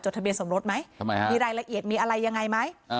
จดทะเบียนสมรสไหมมีรายละเอียดมีอะไรยังไงไหม